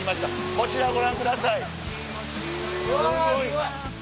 こちらご覧ください。